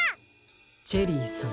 チェリーさん。